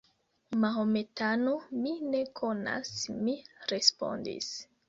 Mahometano, mi ne konas, mi respondis.